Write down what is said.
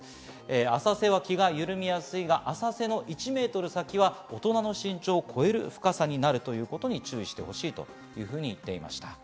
浅瀬は気が緩みやすいが浅瀬の１ｍ先は大人の身長を超える深さになるということに注意してほしいということです。